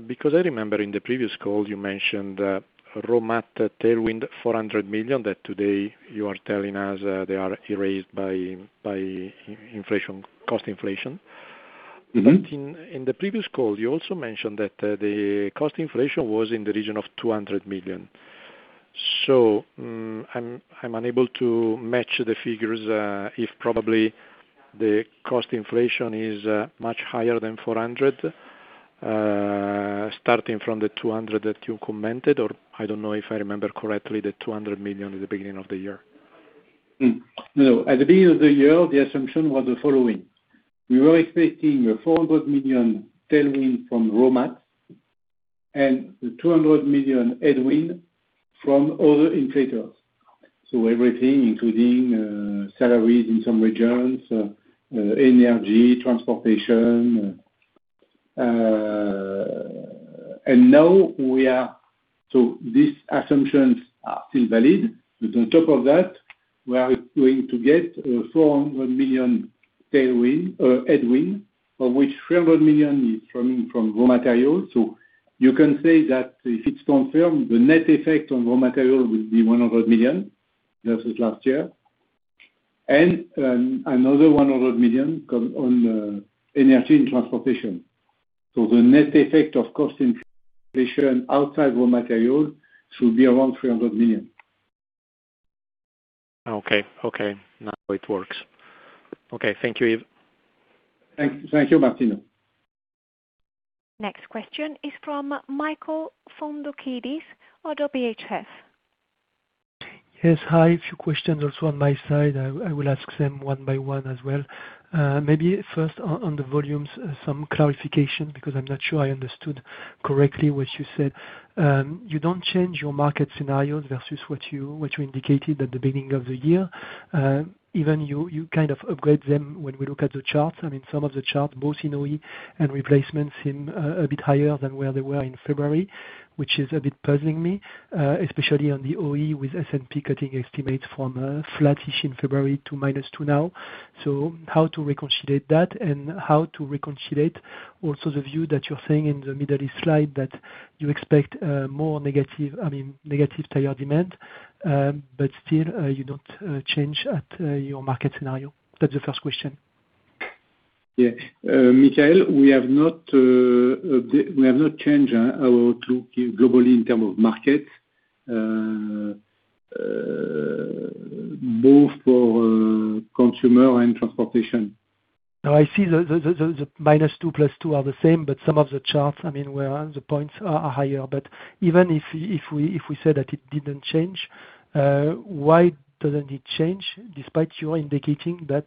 remember in the previous call you mentioned that raw mat tailwind 400 million that today you are telling us, they are erased by inflation, cost inflation. In the previous call you also mentioned that the cost inflation was in the region of 200 million. I'm unable to match the figures, if probably the cost inflation is much higher than 400, starting from the 200 that you commented, or I don't know if I remember correctly, the 200 million at the beginning of the year.
No. At the beginning of the year, the assumption was the following. We were expecting a 400 million tailwind from raw mat and the 200 million headwind from other inflators, everything including salaries in some regions, energy, transportation. Now these assumptions are still valid. On top of that, we are going to get a 400 million tailwind, headwind, of which 300 million is coming from raw materials. You can say that if it's confirmed, the net effect on raw material will be 100 million versus last year. Another 100 million come on the energy and transportation. The net effect of cost inflation outside raw material should be around 300 million.
Okay. Okay. Now it works. Okay. Thank you, Yves.
Thank you, Martino.
Next question is from Michael Foundoukidis, ODDO BHF.
Yes. Hi. A few questions also on my side. I will ask them one by one as well. Maybe first on the volumes, some clarification because I'm not sure I understood correctly what you said. You don't change your market scenarios versus what you indicated at the beginning of the year. Even you kind of upgrade them when we look at the charts. I mean, some of the charts, both in OE and replacements seem a bit higher than where they were in February, which is a bit puzzling me, especially on the OE with S&P cutting estimates from flat-ish in February to -2 now. How to reconciliate that and how to reconciliate also the view that you're saying in the Middle East slide that you expect more negative, I mean, negative tire demand, but still, you don't change at your market scenario. That's the first question.
Yeah. Michael, we have not changed our outlook globally in term of market, both for consumer and transportation.
No, I see the -2 +2 are the same, but some of the charts, I mean, where the points are higher. Even if we say that it didn't change, why doesn't it change despite you are indicating that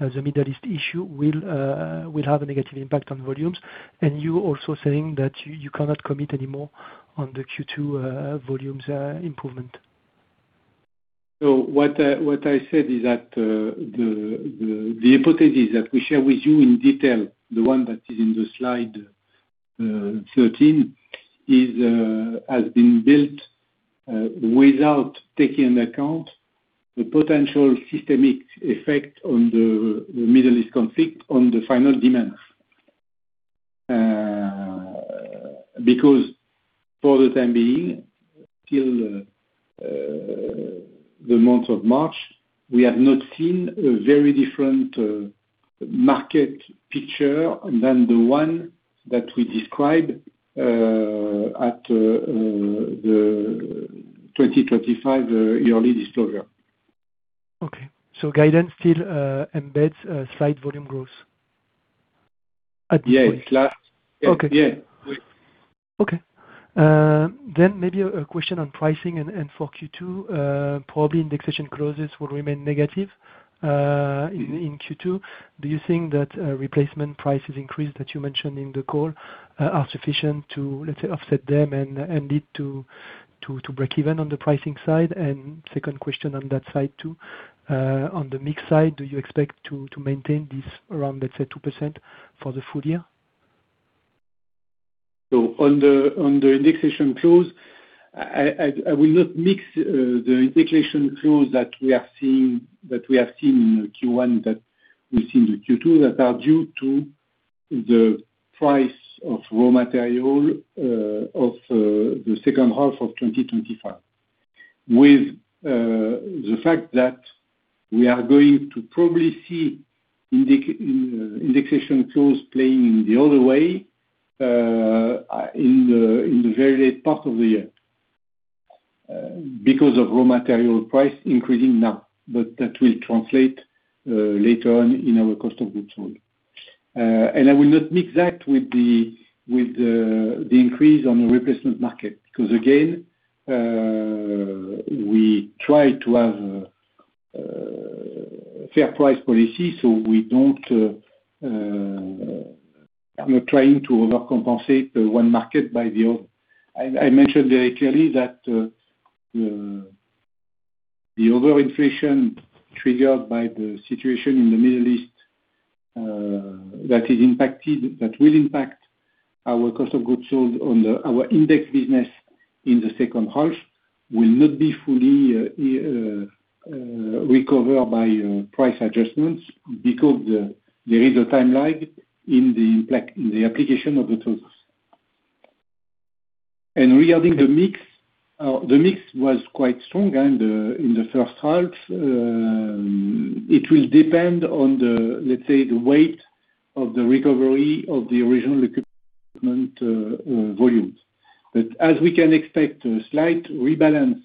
the Middle East issue will have a negative impact on volumes, and you also saying that you cannot commit anymore on the Q2 volumes improvement?
What I said is that the hypothesis that we share with you in detail, the one that is in the slide 13, has been built without taking into account the potential systemic effect on the Middle East conflict on the final demands. For the time being, till the month of March, we have not seen a very different market picture than the one that we described at the 2025 yearly disclosure.
Okay. guidance still embeds a slight volume growth at this point?
Yes, slight.
Okay.
Yeah.
Okay. Then maybe a question on pricing and for Q2. Probably indexation clauses will remain negative in Q2. Do you think that replacement prices increase that you mentioned in the call are sufficient to let's say offset them and lead to break even on the pricing side? Second question on that side too. On the mix side, do you expect to maintain this around, let's say, 2% for the full-year?
On the indexation clause, I will not mix the indexation clause that we are seeing, that we have seen in Q1, that we've seen in Q2 that are due to the price of raw material of the second half of 2025. We are going to probably see indexation tools playing the other way in the very late part of the year because of raw material price increasing now. That will translate later on in our cost of goods sold. I will not mix that with the increase on the replacement market, because again, we try to have fair price policy, so I'm not trying to overcompensate one market by the other. I mentioned very clearly that the overinflation triggered by the situation in the Middle East, that is impacted, that will impact our cost of goods sold on the, our index business in the second half will not be fully recover by price adjustments because there is a timeline in the, like, in the application of the tools. Regarding the mix, the mix was quite strong in the first half. It will depend on the, let's say, the weight of the recovery of the original equipment volumes. As we can expect a slight rebalance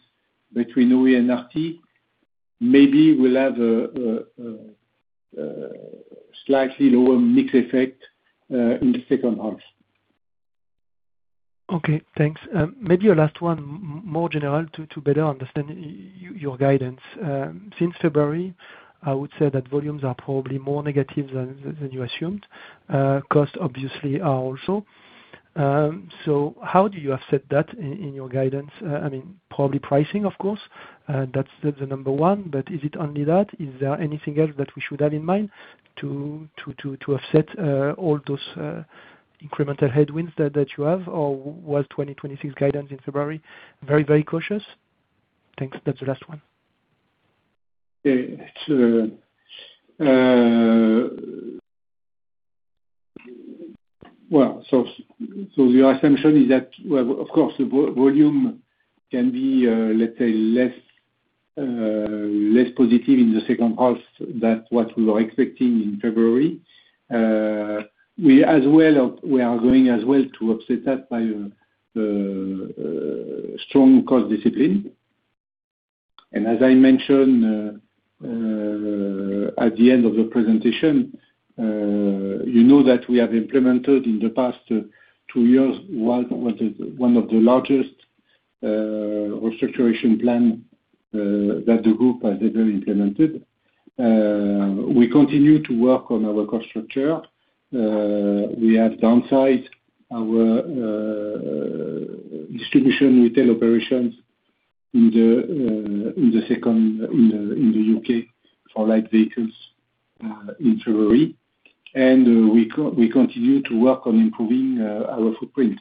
between OE and RT, maybe we'll have a slightly lower mix effect in the second half.
Okay, thanks. Maybe a last one, more general to better understand your guidance. Since February, I would say that volumes are probably more negative than you assumed. Cost obviously are also. How do you offset that in your guidance? I mean, probably pricing, of course. That's the number one. Is it only that? Is there anything else that we should have in mind to offset all those incremental headwinds that you have, or was 2026 guidance in February very, very cautious? Thanks. That's the last one.
Yeah. It's, well, so your assumption is that, well, of course the volume can be less positive in the second half than what we were expecting in February. We are going as well to offset that by strong cost discipline. As I mentioned at the end of the presentation, you know that we have implemented in the past two years one of the largest restructuration plan that the group has ever implemented. We continue to work on our cost structure. We have downsized our distribution retail operations in the U.K. for light vehicles in February. We continue to work on improving our footprint.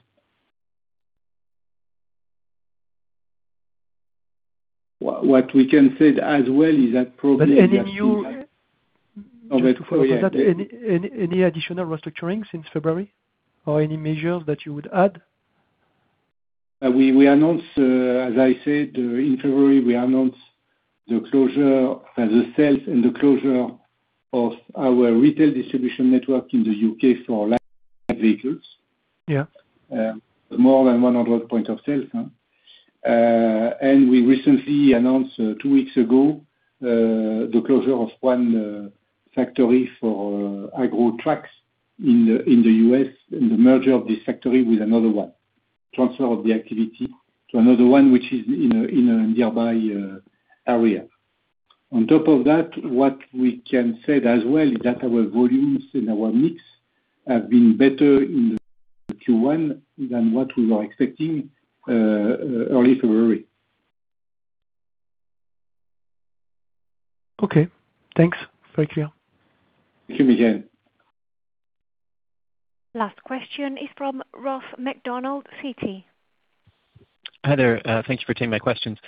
What we can say as well is that probably.
But any new?
Oh, wait. Oh, yeah.
Any additional restructuring since February or any measures that you would add?
We announced, as I said, in February, we announced the closure, the sales and the closure of our retail distribution network in the U.K. for light vehicles.
Yeah.
More than 100 point of sales. We recently announced two weeks ago the closure of one factory for agricultural tracks in the U.S., and the merger of this factory with another one. Transfer of the activity to another one, which is in a nearby area. On top of that, what we can say as well is that our volumes and our mix have been better in the Q1 than what we were expecting early February.
Okay, thanks. Very clear.
Thank you again.
Last question is from Ross MacDonald, Citi.
Hi there. Thank you for taking my questions.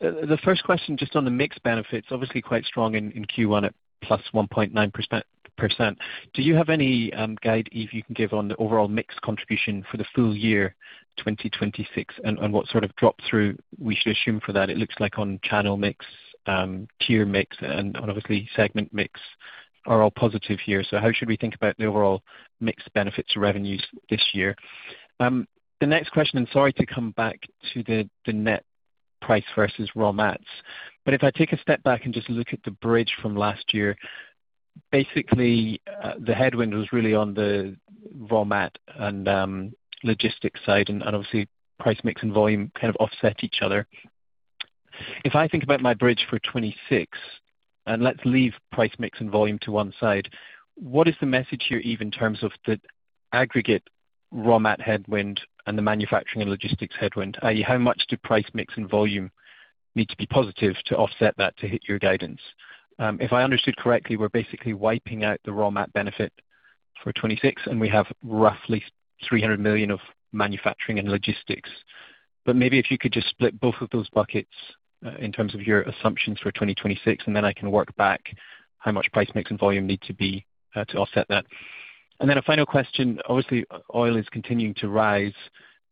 The first question, just on the mix benefits, obviously quite strong in Q1 at +1.9%. Do you have any guide, Yves, you can give on the overall mix contribution for the full-year 2026? What sort of drop through we should assume for that. It looks like on channel mix, tier mix and obviously segment mix are all positive here. How should we think about the overall mix benefits revenues this year? The next question, I'm sorry to come back to the net price versus raw mats. If I take a step back and just look at the bridge from last year, basically, the headwind was really on the raw mat and logistics side and obviously price mix and volume kind of offset each other. If I think about my bridge for 2026, and let's leave price mix and volume to one side, what is the message here, Yves, in terms of the aggregate raw mat headwind and the manufacturing and logistics headwind? How much do price mix and volume need to be positive to offset that to hit your guidance? If I understood correctly, we're basically wiping out the raw mat benefit for 2026, and we have roughly 300 million of manufacturing and logistics. Maybe if you could just split both of those buckets in terms of your assumptions for 2026, then I can work back how much price mix and volume need to be to offset that. A final question. Obviously, oil is continuing to rise.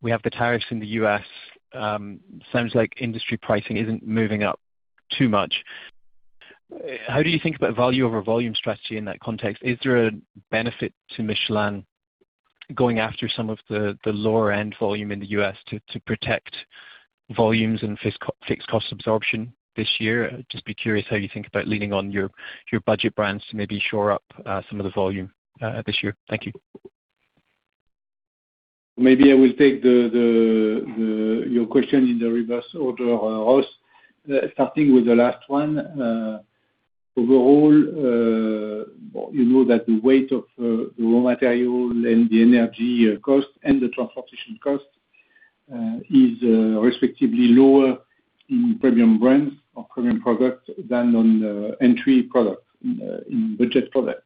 We have the tariffs in the U.S. Sounds like industry pricing isn't moving up too much. How do you think about value over volume strategy in that context? Is there a benefit to Michelin going after some of the lower end volume in the U.S. to protect volumes and fixed cost absorption this year? Just be curious how you think about leaning on your budget brands to maybe shore up some of the volume this year. Thank you.
Maybe I will take the, your question in the reverse order, Ross. Starting with the last one. Overall, you know that the weight of the raw material and the energy costs and the transportation cost is respectively lower in premium brands or premium products than on the entry products, in budget products.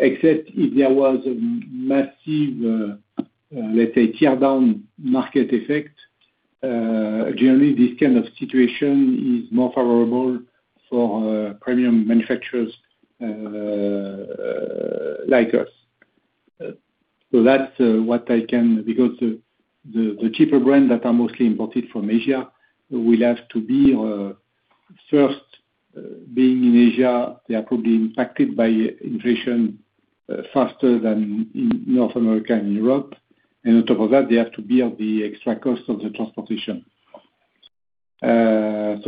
Except if there was a massive, let's say, tear down market effect, generally this kind of situation is more favorable for premium manufacturers, like us. The cheaper brand that are mostly imported from Asia will have to be, first, being in Asia, they are probably impacted by inflation faster than in North America and Europe. On top of that, they have to bear the extra cost of the transportation. That's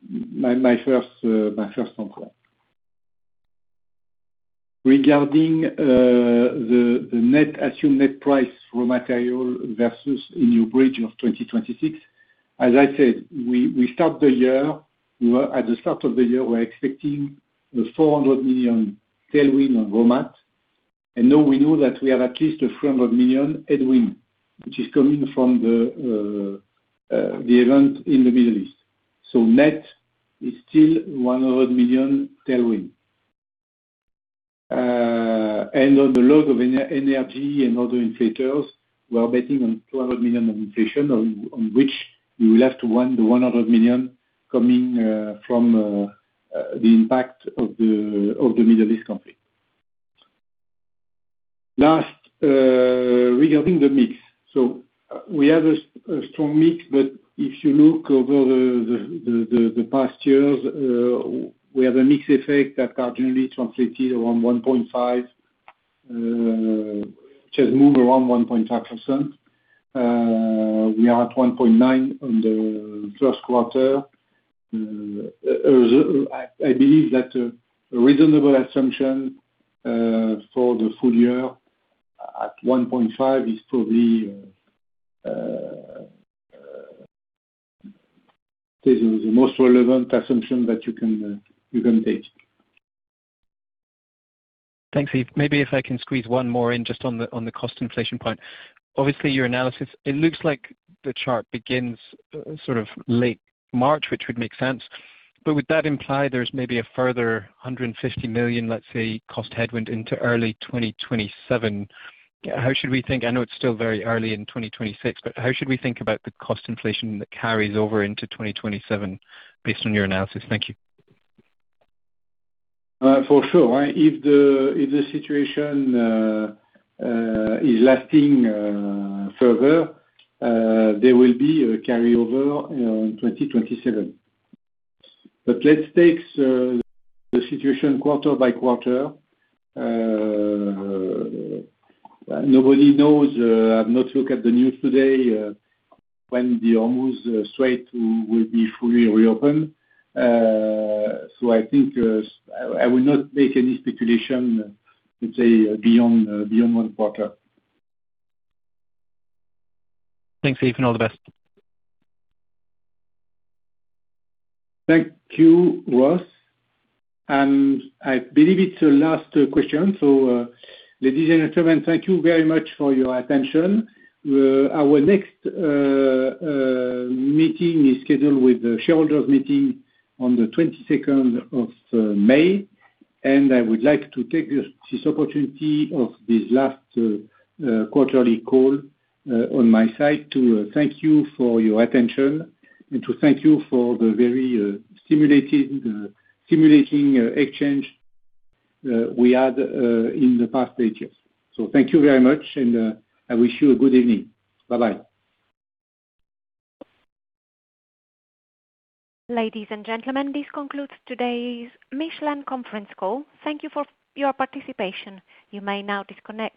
my first point. Regarding the net assumed net price raw material versus in your bridge of 2026, as I said, at the start of the year, we're expecting the 400 million tailwind on raw mat. Now we know that we have at least a 300 million headwind, which is coming from the event in the Middle East. Net is still 100 million tailwind. On the cost of energy and other inflation, we are betting on 200 million on inflation, on which we will have to run the 100 million coming from the impact of the Middle East conflict. Last, regarding the mix. We have a strong mix, but if you look over the past years, we have a mix effect that are generally translated around 1.5%, just move around 1.5%. We are at 1.9% on the 1st quarter. I believe that a reasonable assumption for the full-year at 1.5% is probably the most relevant assumption that you can take.
Thanks, Yves. Maybe if I can squeeze one more in just on the, on the cost inflation point. Obviously, your analysis, it looks like the chart begins sort of late March, which would make sense. Would that imply there's maybe a further 150 million, let's say, cost headwind into early 2027? I know it's still very early in 2026, but how should we think about the cost inflation that carries over into 2027 based on your analysis? Thank you.
For sure. If the situation is lasting further, there will be a carryover on 2027. Let's take the situation quarter by quarter. Nobody knows. I've not looked at the news today, when the Strait of Hormuz will be fully reopened. I think I will not make any speculation, let's say, beyond beyond one quarter.
Thanks, Yves. All the best.
Thank you, Ross. I believe it's the last question. Ladies and gentlemen, thank you very much for your attention. Our next meeting is scheduled with the shareholders meeting on the 22nd of May. I would like to take this opportunity of this last quarterly call on my side to thank you for your attention and to thank you for the very stimulating exchange we had in the past eight years. Thank you very much, and I wish you a good evening. Bye-bye.
Ladies and gentlemen, this concludes today's Michelin conference call. Thank you for your participation. You may now disconnect.